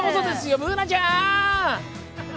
Ｂｏｏｎａちゃん！